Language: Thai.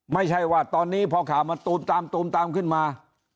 ไม่ใช่ว่าตอนนี้พอขามาตูบตามขึ้นมา